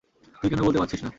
তুই কেন বলতে পারছিস না?